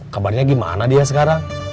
kabarnya gimana dia sekarang